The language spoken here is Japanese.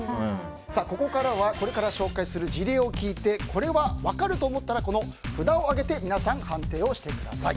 ここからはこれから紹介する事例を聞いてこれは分かると思ったら札を上げて皆さん、判定をしてください。